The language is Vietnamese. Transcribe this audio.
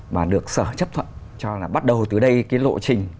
mà được sở chấp thuận cho là bắt đầu từ đây cái lộ trình